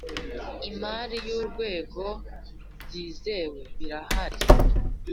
imari y urwego byizewe birahari